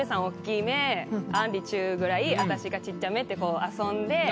おっきめあんり中ぐらい私がちっちゃめってこう遊んで。